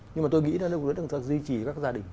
nhưng mà tôi nghĩ là đừng duy trì các gia đình